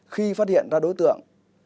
khi phát hiện ra đối tượng